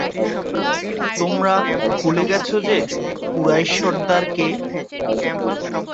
তোমরা ভুলে গেছ যে, কুরাইশ সর্দার কে?